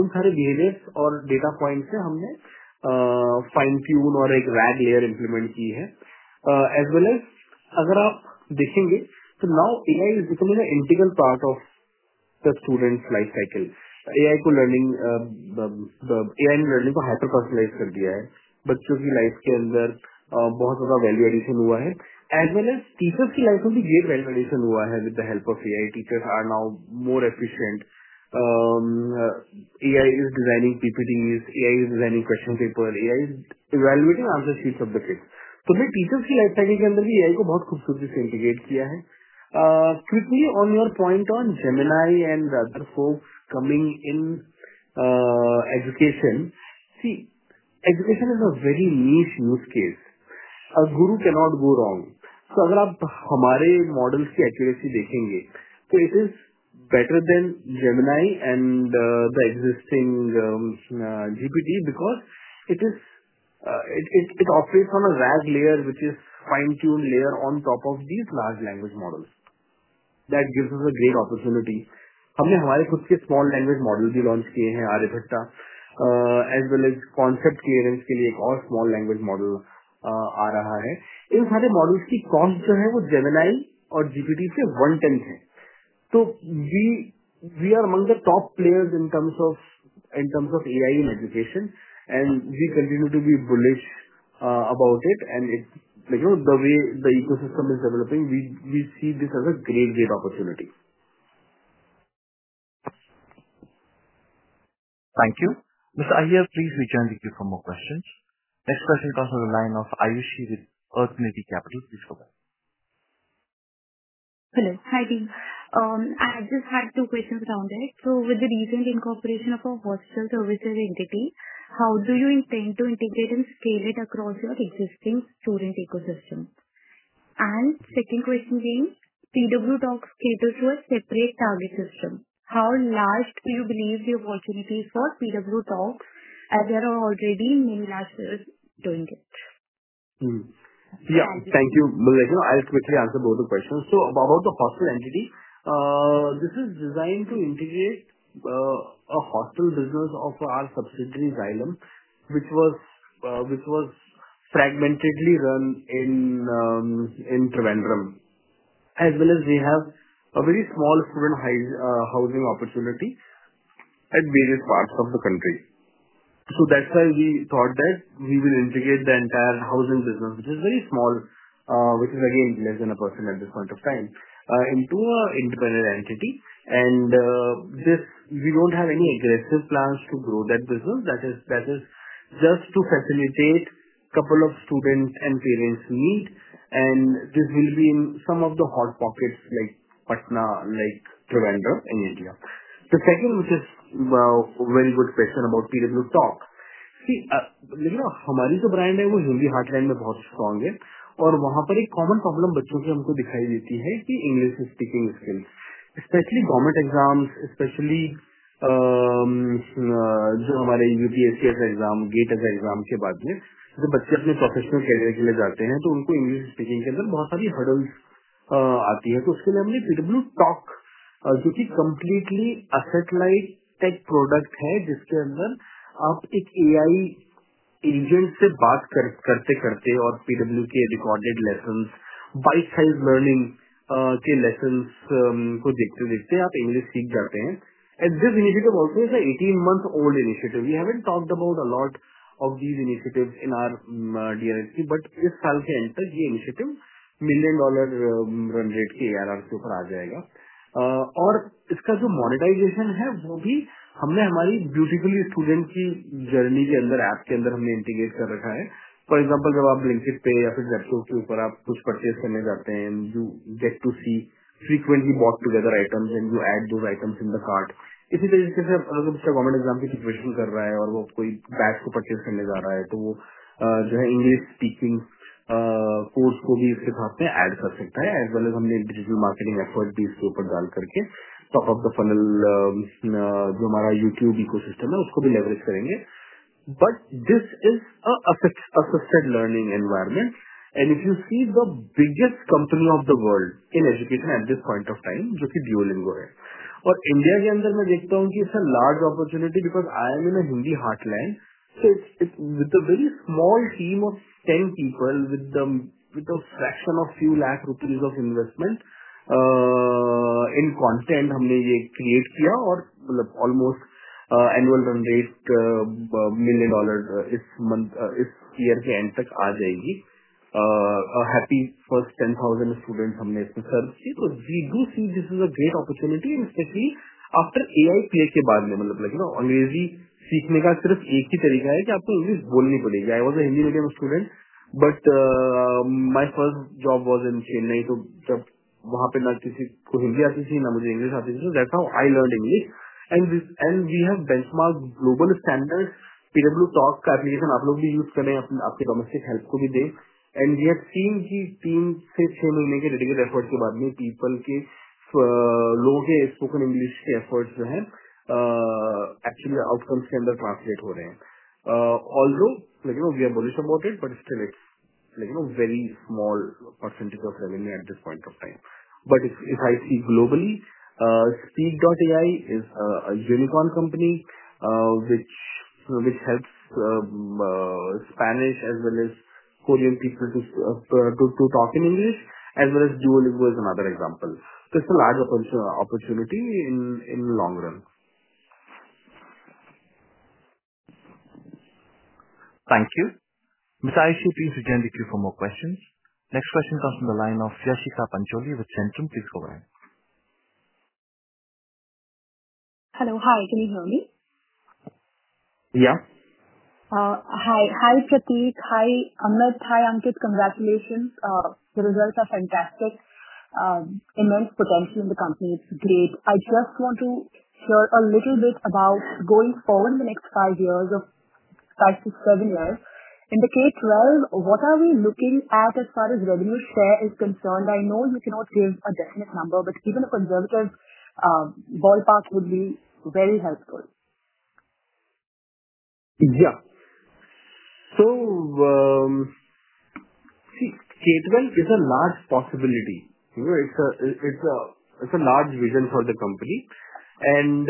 उन सारे बिहेवियर्स और data points से हमने fine-tune और एक RAG layer implement की है। As well as अगर आप देखेंगे तो now AI is becoming an integral part of the student life cycle. AI लर्निंगिंग को hyper-personalize कर दिया है। बच्चों की life के अंदर बहुत ज्यादा value addition हुआ है, as well as teachers की life में भी great value addition हुआ है। With the help of AI, teachers are now more efficient. AI is designing PPT, AI is designing question paper, AI is evaluating answer sheet of the kids. फिर teachers की life cycle के अंदर भी AI को बहुत खूबसूरती से integrate किया है। Quickly on your point on Gemini and other folks coming in education. See education is a very niche use case, a guru cannot go wrong. अगर आप हमारे models की accuracy देखेंगे तो it is better than Gemini and the existing GPT because it operates on a RAG layer, which is fine-tune layer on top of this large language model, that gives you a great opportunity. हमने हमारे खुद के small language model भी launch किए हैं। RF as well as concept clearance के लिए एक और small language model आ रहा है। इन सारे models की cost जो है वो Gemini और GPT से 1/10 है। We are among the top players in terms of in terms of AI in education and we continue to be bullish about it and the way the ecosystem is developing, we see this is a great, great opportunity. Thank you. Mister Arya please return to you for more question. Next question on the line of Ayushi with Arthaneti capital, please go ahead. Hello, hi team! Uh- I just had two question around it, so with the recent incorporation of hostel services entity, how do you intend to integrate and scale it across your existing student ecosystem? And second question is, PW talks caterer separate target system, how large you believe the opportunity for PW talks, as there are already many एसेर doing it. Hmm! Yeah thank you, मैं you know, I quickly answer both the question. So about the hostel entity, uh- this is design to integrate uh- a hostel business of our subsidiary आइलैंड, which was, which was fragmented run in uh- in Trivandrum, as well as we have a very small student high uh- housing opportunity at various parts of the country. So that's why we thought that we will integrate the entire housing business, which is very small. Uh- which is again, less than a percent at this point of time uh- into a independent entity and this we don't have any aggressive plans to grow that business. That is, that is just to facilitate, couple of student and parents needed and this will be in some of the hot pocket, like Patna, like Trivandrum, in India. The second which is बहुत very good question about PW talk, see uh- लेकिन हमारी जो brand है, वो Hindi heartland में बहुत strong है और वहां पर एक कॉमन प्रॉब्लम बच्चों को हमको दिखाई देती है कि English speaking skills, specially government exam, specially uh- uh- जो हमारे यूपीएससी के एग्जाम, गेट के एग्जाम के बाद में जो बच्चे अपने प्रोफेशनल करियर के लिए जाते हैं, तो उनको इंग्लिश स्पीकिंग के अंदर बहुत सारी हर्डल्स अ- आती है। तो उसके लिए हमने पीडब्ल्यू टॉक, जो कि कंपलीटली सेटेलाइट टेक प्रोडक्ट है, जिसके अंदर आप एक एआई एजेंट से बात कर-करते-करते और पीडब्ल्यू के recorded lessons, bite size learning uh- के लेसंस को देखते-देखते आप इंग्लिश सीख जाते हैं। And this initiate about eighteen month old initiative, we have not talk about a lot of this initiative in our DSP, but इस साल के एंड तक ये initiative million dollar run rate ARR के ऊपर आ जाएगा अ- और इसका जो मॉनिटराइजेशन है, वो भी हमने हमारी ब्यूटी ऑफ स्टूडेंट की जर्नी के अंदर ऐप के अंदर हमने इंटीग्रेट कर रखा है। फॉर एग्जांपल, जब आप ब्लिंकिट पे या फिर वेब स्टोर के ऊपर आप कुछ परचेज करने जाते हैं, you get to see frequently both together items and you add दो आइटम्स इन द कार्ट। इसी तरीके से अगर कोई गवर्नमेंट एग्जाम की प्रिपरेशन कर रहा है और वो कोई बैग को परचेज करने जा रहा है तो वो अ- जो है इंग्लिश स्पीकिंग अ- कोर्स को भी इसके साथ में ऐड कर सकता है। एस वेल एज़ हमने डिजिटल मार्केटिंग एफर्ट्स भी इसके ऊपर डाल करके top of the funnel uh- जो हमारा यूट्यूब इकोसिस्टम है, उसको भी लेवरेज करेंगे। But this is a assist, assistant learning environment and if you see the biggest company of the world in education at this point of time, जो कि Duolingo है और इंडिया के अंदर मैं देखता हूं कि it's a large opportunity, because I am in Hindi heartland. So it, with the very small team of ten people, with the, with the fraction of few lakh rupees of investment uh- in content, हमने ये create किया और मतलब almost uh- annual run rate million dollar this month, this year के end तक आ जाएगी। Uh- happy first ten thousand students हमने इसके सर्व किए तो we do thing this is a great opportunity, especially after AI peak के बाद में। मतलब like यू नो इंग्लिश सीखने का सिर्फ एक ही तरीका है कि आपको इंग्लिश बोलनी पड़ेगी। I was a Hindi medium student, but uh... my first job was in Chennai. जब वहां पे ना किसी को हिंदी आती थी, ना मुझे इंग्लिश आती थी। That's how I learning English and this. We have benchmark global standard, PW Talks का एप्लीकेशन आप लोग भी यूज करें, अपने आपके डोमेस्टिक हेल्प को भी दें. We have टीम की, टीम से होने के डेडीकेटेड एफर्ट्स के बाद में, पीपल के लोगों के स्पोकन इंग्लिश के एफर्ट्स जो है, एक्चुअली आउटकम के अंदर ट्रांसलेट हो रहे हैं. Although, you know, we are bullish about it, but still it's, you know, very small percentage of revenue at this point of time. If, if I see globally, Speak is a unicorn company, which helps Spanish as well as Korean people to talk in English, as well as Duolingo is another example. It's a large opportunity in the long run. Thank you. Mr. Aich, please join the queue for more questions. Next question comes from the line of Yashika Pancholi with Centrum. Please go ahead. Hello. Hi, can you hear me? Yeah. Hi. Hi, Prateek. Hi, Amit. Hi, Ankit. Congratulations, the results are fantastic. Immense potential in the company. It's great. I just want to hear a little bit about going forward in the next five years of 5-7 years. In the K-12, what are we looking at as far as revenue share is concerned? I know you cannot give a definite number, but even a conservative ballpark would be very helpful. K-12 is a large possibility. You know, it's a large vision for the company, and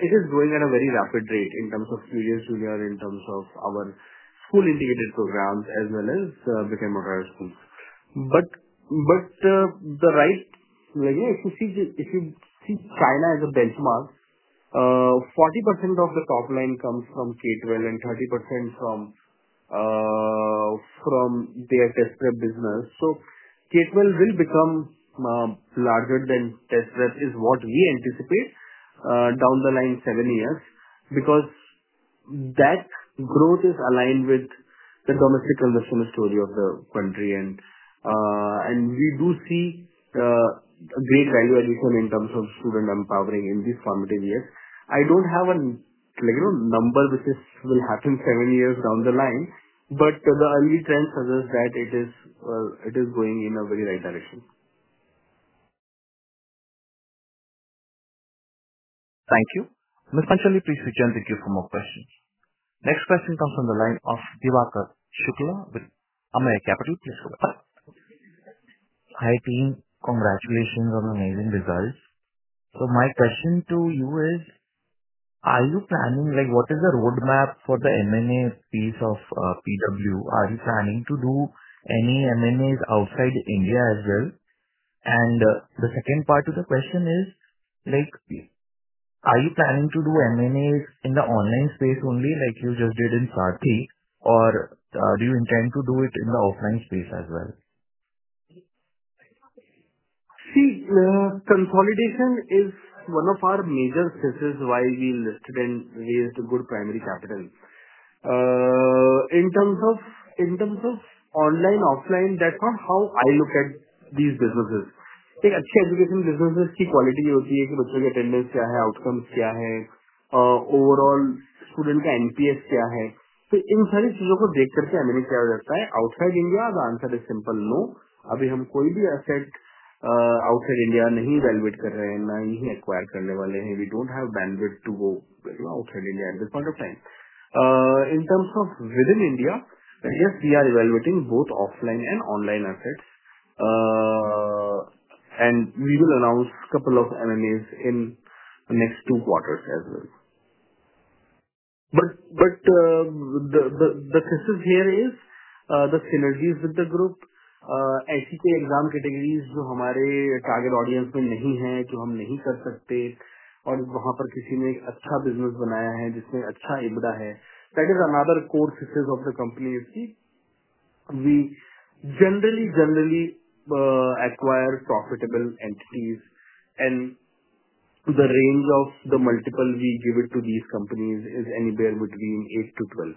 it is growing at a very rapid rate in terms of students, we are in terms of our School Integrated Programme as well as became a larger school. The right way, if you see China as a benchmark, 40% of the top line comes from K-12, and 30% from their test prep business. K-12 will become larger than test prep, is what we anticipate down the line seven years, because that growth is aligned with the domestic conversation story of the country. We do see great value addition in terms of student empowering in these formative years. I don't have an, you know, number will happen seven years down the line, but the early trend suggests that it is going in a very right direction. Thank you. Ms. Pancholi, please return to queue for more questions. Next question comes from the line of Divakar Shukla with Ambit Capital. Please go ahead. Hi, team. Congratulations on an amazing result. Like, what is the roadmap for the M&A piece of PW? Are you planning to do any M&As outside India as well? The second part to the question is, like, are you planning to do M&As in the online space only, like you just did in Sarthi, or do you intend to do it in the offline space as well? See, consolidation is one of our major thesis, why we listed and raised a good primary capital. In terms of online/offline, that's not how I look at these businesses. The education businesses, key quality, attendance, outcomes, overall student NPS, outside India, the answer is simple: No. We outside India, neither evaluate, nor acquire. We don't have bandwidth to go, you know, outside India at this point of time. In terms of within India, yes, we are evaluating both offline and online assets, and we will announce 2 M&As in the next 2 quarters as well. The thesis here is the synergies with the group. Exam categories, our target audience, that is another core thesis of the company is key. We generally acquire profitable entities. The range of the multiple we give it to these companies is anywhere between 8-12.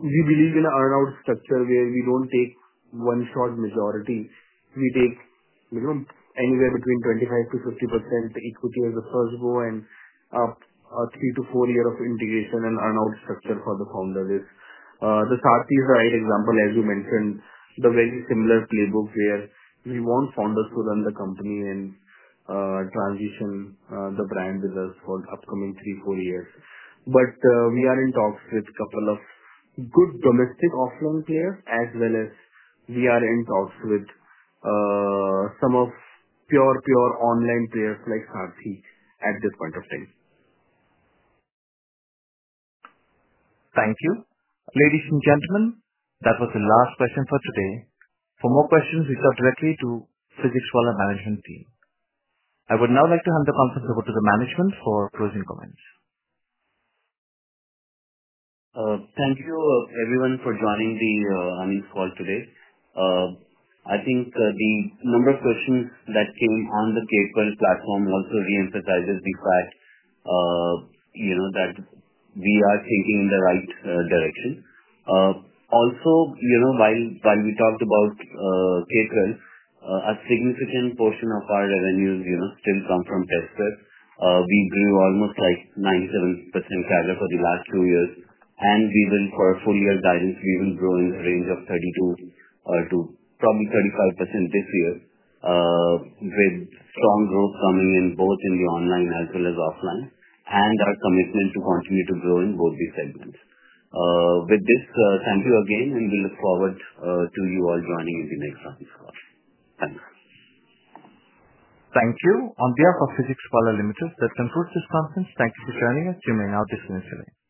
We believe in an earn-out structure, where we don't take one short majority. We take, you know, anywhere between 25%-50% equity as a first go, and a 3-4 year of integration and earn-out structure for the founders. The Sarthi is the right example, as you mentioned, the very similar playbook where we want founders to run the company and transition the brand with us for upcoming 3, 4 years. We are in talks with couple of good domestic offline players, as well as we are in talks with some of pure online players like Sarthi at this point of time. Thank you. Ladies and gentlemen, that was the last question for today. For more questions, reach out directly to Physics Wallah management team. I would now like to hand the conference over to the management for closing comments. Thank you, everyone, for joining the analyst call today. I think, the number of questions that came on the K-12 platform also re-emphasizes the fact, you know, that we are thinking in the right direction. Also, you know, while, while we talked about K-12, a significant portion of our revenues, you know, still come from test prep. We grew almost like 97% CAGR for the last two years, and we will for a full year guidance, we will grow in the range of 32% to from 35% this year, with strong growth coming in both in the online as well as offline, and our commitment to continue to grow in both these segments. With this, thank you again, and we look forward to you all joining in the next analyst call. Thank you. Thank you. On behalf PhysicsWallah Limited, that concludes this conference. Thank you for joining us. You may now disconnect the line.